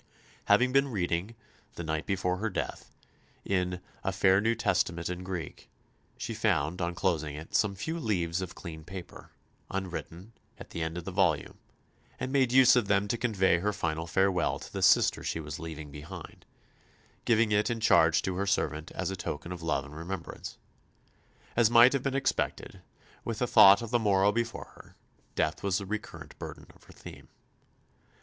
Having been reading, the night before her death, in "a fair New Testament in Greek," she found, on closing it, some few leaves of clean paper, unwritten, at the end of the volume, and made use of them to convey her final farewell to the sister she was leaving behind, giving it in charge to her servant as a token of love and remembrance. As might have been expected, with the thought of the morrow before her, death was the recurrent burden of her theme.